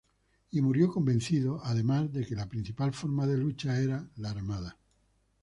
Y murió convencido, además, de que la principal forma de lucha era la armada.